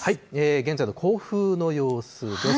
現在の甲府の様子です。